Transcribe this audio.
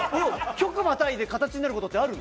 局またいで形になることってあるの？